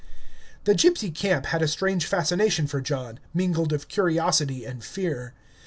The gypsy camp had a strange fascination for John, mingled of curiosity and fear.